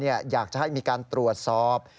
อยากจะให้มีการตรวจสอบ